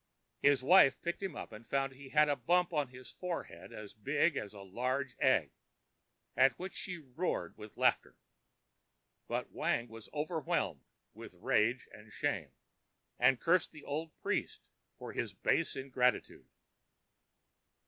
His wife picked him up and found he had a bump on his forehead as big as a large egg, at which she roared with laughter; but Wang was overwhelmed with rage and shame, and cursed the old priest for his base ingratitude.